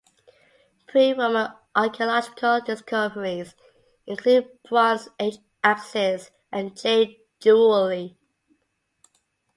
Pre-Roman archaeological discoveries include Bronze Age axes and jade jewelry.